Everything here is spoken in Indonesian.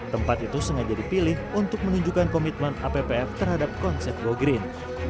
tempat itu sengaja dipilih untuk menunjukkan komitmen appf terhadap konsep go green